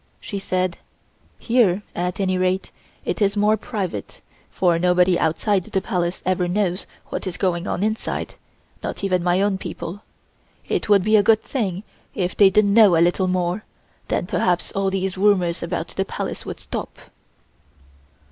She said: "Here, at any rate, it is more private, for nobody outside the Palace ever knows what is going on inside, not even my own people. It would be a good thing if they did know a little more, then perhaps all these rumors about the Palace would stop."